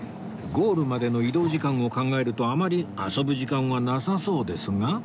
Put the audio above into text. ゴールまでの移動時間を考えるとあまり遊ぶ時間はなさそうですが